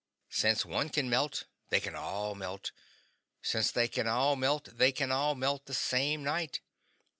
Since one can melt, they can all melt; since they can all melt, they can all melt the same night.